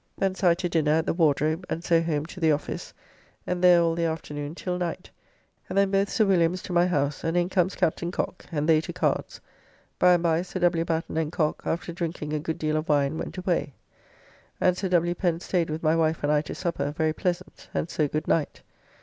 Thence I to dinner at the Wardrobe, and so home to the office, and there all the afternoon till night, and then both Sir Williams to my house, and in comes Captain Cock, and they to cards. By and by Sir W. Batten and Cock, after drinking a good deal of wine, went away, and Sir W. Pen staid with my wife and I to supper, very pleasant, and so good night.